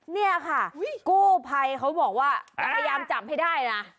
เนี่ยค่ะกู้ภัยเขาบอกว่าพยายามจับให้ได้นะ